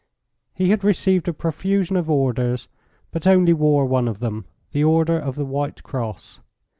He had received a profusion of orders, but only wore one of them, the Order of the White Cross.